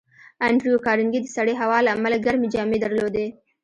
انډریو کارنګي د سړې هوا له امله ګرمې جامې درلودې